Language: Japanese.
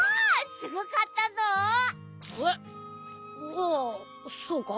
あーそうか？